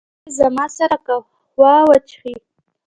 چې، زما سره قهوه وچښي